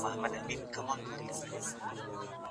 خپل فکر پيدا کړئ.